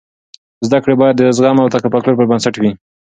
زده کړې باید د زغم او تفکر پر بنسټ وي.